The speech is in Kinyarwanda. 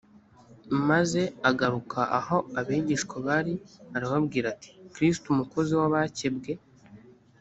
maze agaruka aho abigishwa bari arababwira ati kristo umukozi w abakebwe